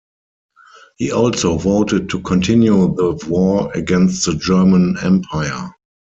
He also voted to continue the war against the German Empire.